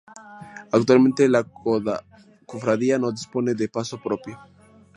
Actualmente la cofradía no dispone de paso propio.